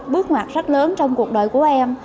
bước ngoặt rất lớn trong cuộc đời của em